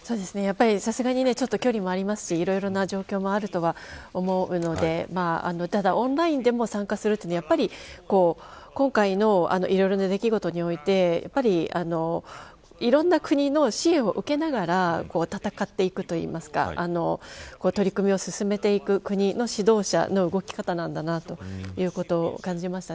さすがに距離もありますしいろいろな状況もあるとは思うのでただ、オンラインでも参加するというのはやっぱり今回のいろいろな出来事においていろんな国の支援を受けながら戦っていくといいますか取り組みを進めていく国の指導者の動き方なんだなということを感じました。